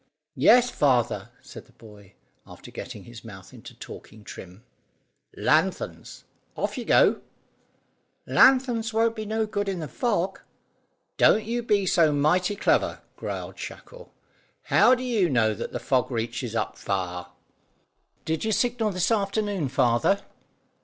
"Yes, father," said the boy, after getting his mouth into talking trim. "Lanthorns! Off with you." "Lanthorns won't be no good in the fog." "Don't you be so mighty clever," growled Shackle. "How do you know that the fog reaches up far?" "Did you signal s'afternoon, father?"